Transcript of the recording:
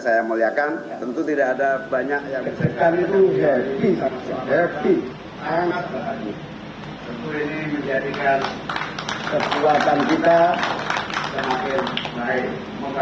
hal ini merupakan penerimaan yang sangat penting